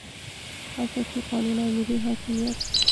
اساسي قانون او ملي حاکمیت.